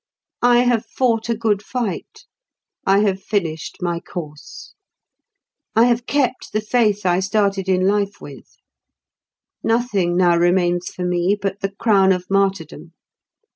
I have fought a good fight; I have finished my course; I have kept the faith I started in life with. Nothing now remains for me but the crown of martyrdom.